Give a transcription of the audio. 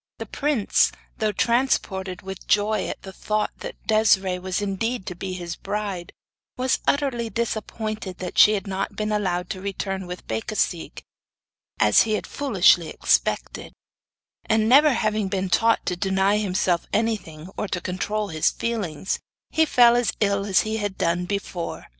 The prince, though transported with joy at the thought that Desiree was indeed to be his bride, was bitterly disappointed that she had not been allowed to return with Becasigue, as he had foolishly expected; and never having been taught to deny himself anything or to control his feelings, he fell as ill as he had done before.